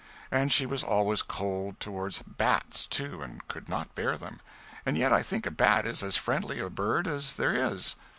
And she was always cold toward bats, too, and could not bear them; and yet I think a bat is as friendly a bird as there is.